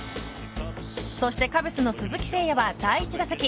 そしてカブスの鈴木誠也は第１打席。